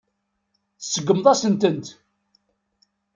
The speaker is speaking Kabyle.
Tseggmeḍ-asen-tent.